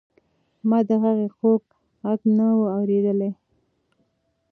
ما د هغې خوږ غږ نه و اورېدلی.